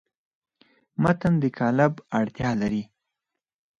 متن د قالب اړتیا لري.